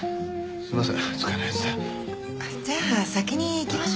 すいません。